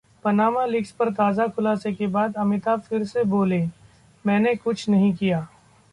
Panama leaks पर ताजा खुलासे के बाद अमिताभ फिर बोले- 'मैंने कुछ नहीं किया'